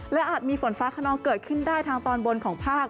และอาจมีฝนฟ้าขนองเกิดขึ้นได้ทางตอนบนของภาค